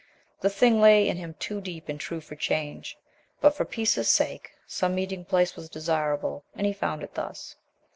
The thing lay in him too deep and true for change. But, for peace' sake, some meeting place was desirable, and he found it thus.